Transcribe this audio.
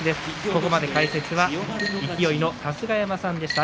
ここまで解説は勢の春日山さんでした。